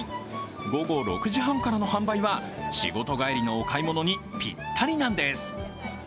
午後６時半からの販売は仕事帰りのお買い物にぴったりなんです。